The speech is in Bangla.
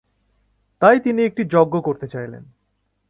তাই তিনি একটি যজ্ঞ করতে চাইলেন।